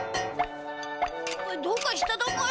どうかしただか？